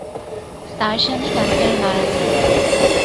তার স্বামী ক্যান্সারে মারা যান।